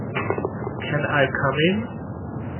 Can I come in?